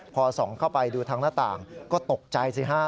พอส่องเข้าไปดูทางหน้าต่างก็ตกใจสิฮะ